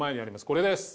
これです。